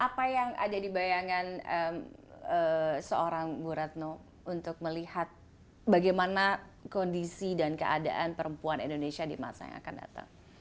apa yang ada di bayangan seorang bu retno untuk melihat bagaimana kondisi dan keadaan perempuan indonesia di masa yang akan datang